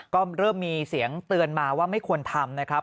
ก็เริ่มมีเสียงเตือนมาว่าไม่ควรทำนะครับ